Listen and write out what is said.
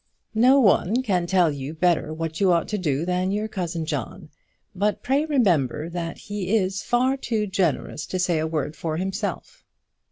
"No one can tell you better what you ought to do than your cousin John; but pray remember that he is far too generous to say a word for himself."